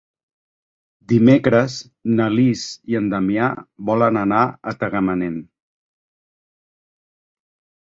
Dimecres na Lis i en Damià volen anar a Tagamanent.